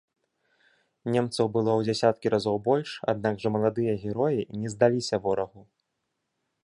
Немцаў было ў дзесяткі разоў больш, аднак жа маладыя героі не здаліся ворагу.